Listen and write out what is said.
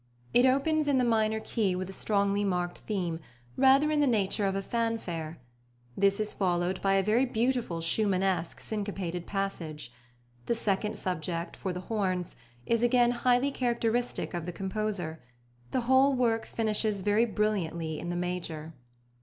It opens in the minor key with a strongly marked theme, rather in the nature of a fanfare; this is followed by a very beautiful Schumannesque syncopated passage. The second subject, for the horns, is again highly characteristic of the composer; the whole work finishes very brilliantly in the major.